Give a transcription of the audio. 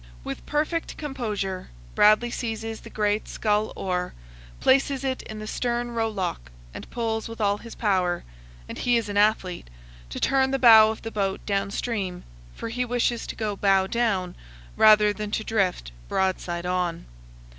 With perfect composure Bradley seizes the great scull oar, places it in the stern rowlock, and pulls with all his power (and he is an athlete) to turn the bow of the boat down stream, for he wishes to go bow down, rather than to drift broadside on.